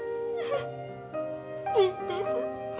いいんです。